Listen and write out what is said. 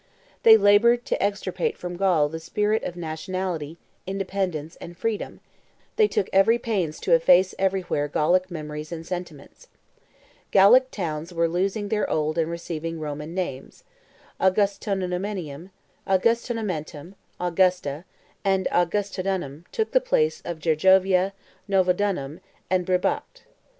They labored to extirpate from Gaul the spirit of nationality, independence, and freedom; they took every pains to efface everywhere Gallic memories and sentiments. Gallic towns were losing their old and receiving Roman names: Augustonemetum, Augusta, and Augustodunum took the place of Gergovia, Noviodunum, and Bibracte.